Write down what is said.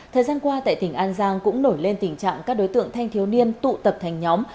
thời gian qua tại tỉnh an giang cũng nổi lên tình trạng các đối tượng thanh thiếu niên tụ tập thành nhóm